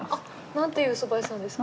何というそば屋さんですか？